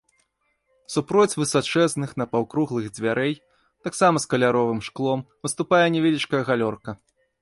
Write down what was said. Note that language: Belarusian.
Супроць высачэзных напаўкруглых дзвярэй, таксама з каляровым шклом, выступае невялічкая галёрка.